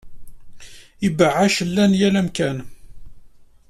Ibɛac llan yal amkan.